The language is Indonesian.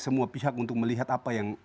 semua pihak untuk melihat apa yang